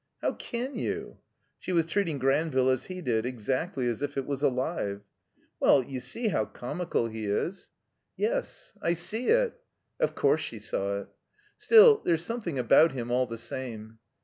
"How can you?" She was treating Granville as he did, exactly as if it was alive. "Well — ^you see how comical he is." x6o THE COMBINED MAZE "Yes. I see it." (Of course she saw it.) "Still — ^there's something about him all the same."